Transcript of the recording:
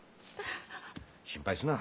心配すな。